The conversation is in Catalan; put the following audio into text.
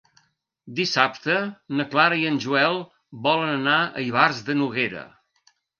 Dissabte na Clara i en Joel volen anar a Ivars de Noguera.